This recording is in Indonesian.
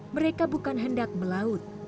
mereka bukan hendak melaut